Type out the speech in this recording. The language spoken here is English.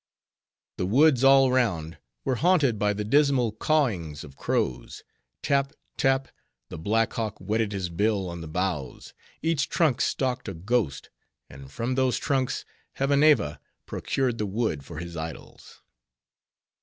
The woods all round were haunted by the dismal cawings of crows; tap, tap, the black hawk whetted his bill on the boughs; each trunk stalked a ghost; and from those trunks, Hevaneva procured the wood for his idols.